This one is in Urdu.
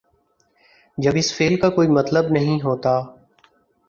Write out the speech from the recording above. جب اس فعل کا کوئی مطلب نہیں ہوتا۔